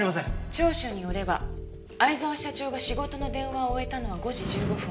調書によれば逢沢社長が仕事の電話を終えたのは５時１５分。